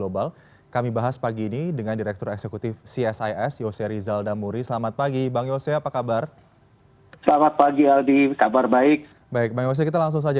baik mbak yosya kita langsung saja